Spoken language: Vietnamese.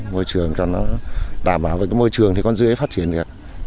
môi trường cho nó đảm bảo môi trường thì con rươi phát triển được